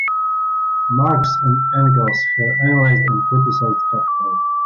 Marx and Engels have analyzed and criticized capitalism.